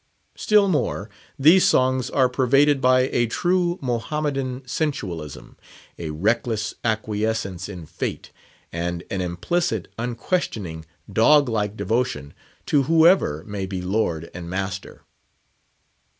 Still more, these songs are pervaded by a true Mohammedan sensualism; a reckless acquiescence in fate, and an implicit, unquestioning, dog like devotion to whoever may be lord and master.